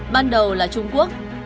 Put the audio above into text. ban đầu là trung quốc